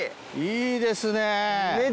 いいですね。